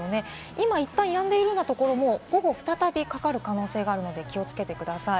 今いったんやんでいるようなところも午後、再びかかる可能性があるので気をつけてください。